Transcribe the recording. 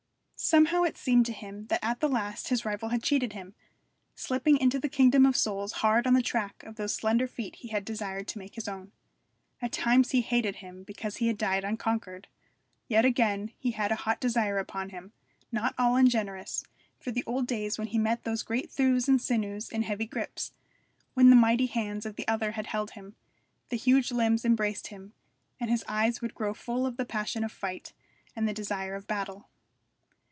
Somehow it seemed to him that at the last his rival had cheated him, slipping into the kingdom of souls hard on the track of those slender feet he had desired to make his own. At times he hated him because he had died unconquered; yet again, he had a hot desire upon him, not all ungenerous, for the old days when he met those great thews and sinews in heavy grips when the mighty hands of the other had held him, the huge limbs embraced him; and his eyes would grow full of the passion of fight and the desire of battle.